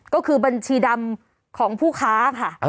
ก็คือบัญชีดำของผู้ค้าค่ะ